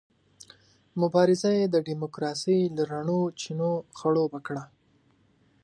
مبارزه یې د ډیموکراسۍ له رڼو چینو خړوبه کړه.